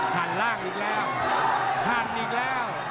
หันล่างอีกแล้วหันอีกแล้ว